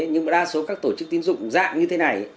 nhưng mà đa số các tổ chức tín dụng dạng như thế này